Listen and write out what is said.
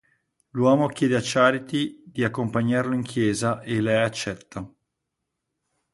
L'uomo chiede a Charity di accompagnarlo in chiesa e lei accetta.